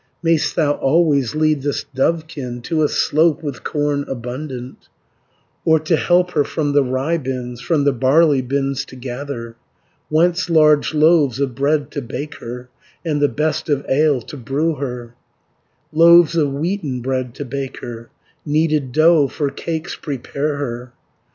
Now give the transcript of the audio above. "May'st thou always lead this dovekin To a slope with corn abundant, 130 Or to help her from the rye bins, From the barley bins to gather, Whence large loaves of bread to bake her, And the best of ale to brew her, Loaves of wheaten bread to bake her, Kneaded dough for cakes prepare her.